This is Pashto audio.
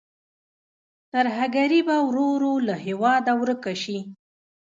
ترهګري به ورو ورو له هېواده ورکه شي.